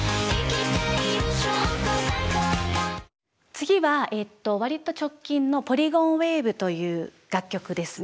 次は割と直近の「ポリゴンウェイヴ」という楽曲ですね。